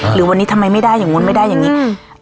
หรือวันนี้ทำไมไม่ได้อย่างนู้นไม่ได้อย่างนี้